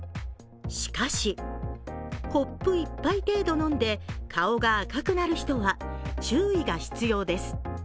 しかし、コップ１杯程度飲んで顔が赤くなる人は注意が必要です。